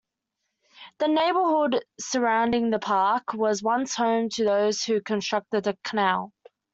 The neighbourhood surrounding the park was once home to those who constructed the canal.